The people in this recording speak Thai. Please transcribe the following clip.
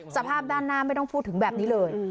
สภาพด้านหน้าไม่ต้องพูดถึงแบบนี้เลย